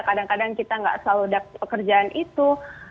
kadang kadang kita gak selalu ada pekerjaan itu